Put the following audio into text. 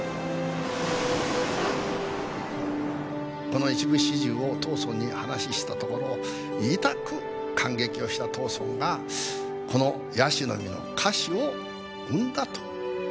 「この一部始終を藤村に話ししたところいたく感激をした藤村がこの『椰子の実』の歌詞を生んだと言われております」